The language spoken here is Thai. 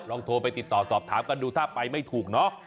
ลองโทรไปติดต่อสอบถามกันดูถ้าไปไม่ถูกเนาะ